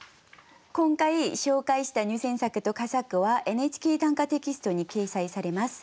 今回紹介した入選作と佳作は「ＮＨＫ短歌」テキストに掲載されます。